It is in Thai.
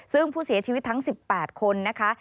ซึ่งผู้เสียชีวิตทั้ง๑๘คนนะคะ